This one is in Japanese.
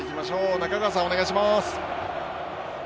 中川さん、お願いします。